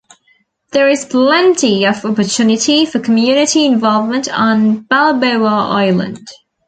There is plenty of opportunity for community involvement on Balboa Island.